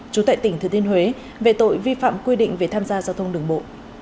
chú tệ tỉnh thừa tiên huế về tội vi phạm quy định về tham gia giao thông đường bộ